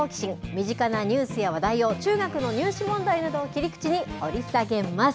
身近なニュースや話題を中学の入試問題を切り口に掘り下げます。